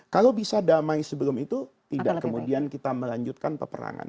kalau bisa damai sebelum itu tidak kemudian kita melanjutkan peperangan